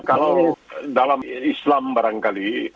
kalau dalam islam barangkali